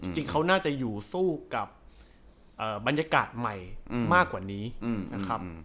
จริงเขาน่าจะอยู่สู้กับบรรยากาศใหม่มากกว่านี้นะครับ